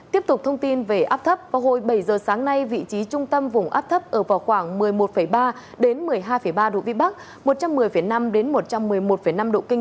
tiếp tục thông tin về áp thấp vào hồi bảy giờ sáng nay vị trí trung tâm vùng áp thấp ở vào khoảng một mươi một ba một mươi hai ba độ vn